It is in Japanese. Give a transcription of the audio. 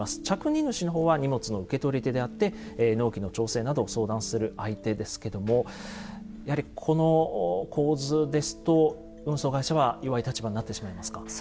着荷主の方は荷物の受け取り手であって納期の調整など相談する相手ですけどもやはりこの構図ですと運送会社は弱い立場になってしまいますか？